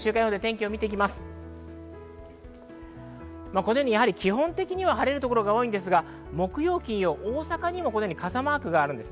気温的には晴れる所が多いですが、木曜、金曜、大阪にも傘マークがあります。